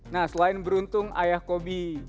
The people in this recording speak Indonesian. nah selain beruntung ayah kobi